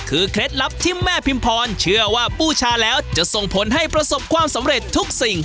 คือเคล็ดลับที่แม่พิมพรเชื่อว่าบูชาแล้วจะส่งผลให้ประสบความสำเร็จทุกสิ่ง